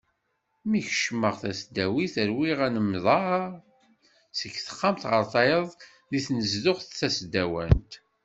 Mi kecmeɣ tasdawit ṛwiɣ anemḍer seg texxamt ɣer tayeḍ deg tnezduɣt tasdawant.